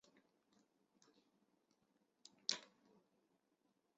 该舰内都市也成为日后宇宙移民计画的范本。